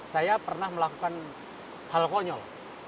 saya pernah melakukan hal konyol